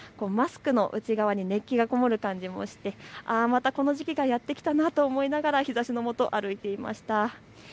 マスクの内側に熱気がこもる感じもしてこの時期がやって来たなと思いながら日ざしのもとを歩いていました。